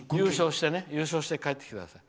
優勝して帰ってきてください。